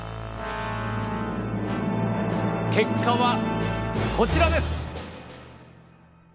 結果はこちらです！